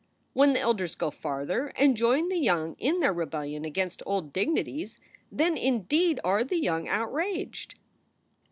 When the elders go farther and join the young in their rebellion against old dignities, then indeed are the young outraged.